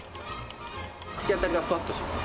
口当たりがふわっとします。